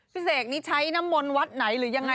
พี่เอกนี่ใช้น้ำมลวัดไหนหรือยังไง